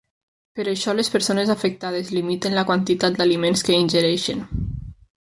Per això les persones afectades limiten la quantitat d'aliments que ingereixen.